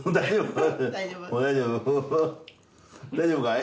大丈夫？